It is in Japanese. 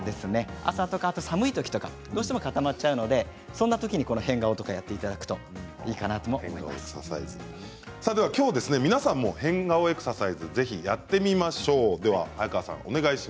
朝とか寒いときはどうしても固まってしまうのでこういうとき変顔をやっていただくといいときょうは皆さんも変顔エクササイズぜひやってみましょう。